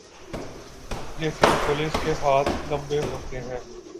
لیکن پولیس کے ہاتھ لمبے ہوتے ہیں۔